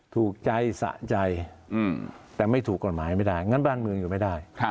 ถูกใจสะใจแต่ไม่ถูกกฎหมายไม่ได้งั้นบ้านเมืองอยู่ไม่ได้